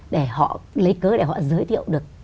để họ lấy cớ để họ giới thiệu được